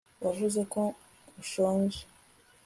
wavuze ko ushonje